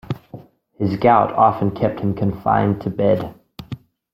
His gout often kept him confined to bed.